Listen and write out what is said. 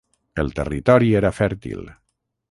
El territori era fèrtil.